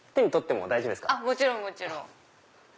もちろんもちろん。